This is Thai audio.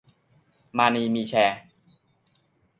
มานีมีแชร์